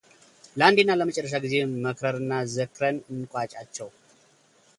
ለአንዴና ለመጨረሻ ጊዜ መክረንና ዘክረን እንቋጫቸው።